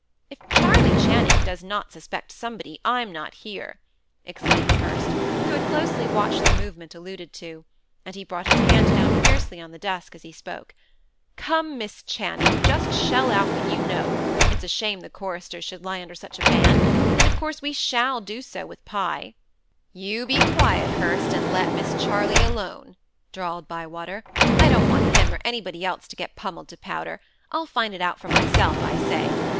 "If Charley Channing does not suspect somebody, I'm not here," exclaimed Hurst, who had closely watched the movement alluded to; and he brought his hand down fiercely on the desk as he spoke. "Come, Miss Channing, just shell out what you know; it's a shame the choristers should lie under such a ban: and of course we shall do so, with Pye." "You be quiet, Hurst, and let Miss Charley alone," drawled Bywater. "I don't want him, or anybody else to get pummelled to powder; I'll find it out for myself, I say.